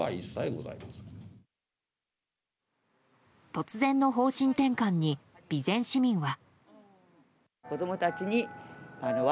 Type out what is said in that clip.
突然の方針転換に備前市民は。